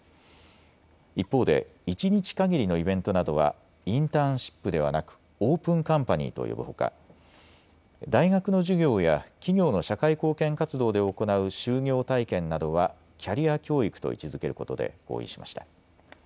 一方で一日かぎりのイベントなどはインターンシップではなくオープン・カンパニーと呼ぶほか大学の授業や企業が社会貢献活動で行う就業体験などはキャリア教育と位置づけることで合意しました。